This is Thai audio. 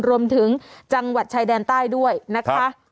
รวมถึงจังหวัดชายแดนใต้ด้วยนะคะ